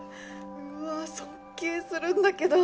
うわ尊敬するんだけど。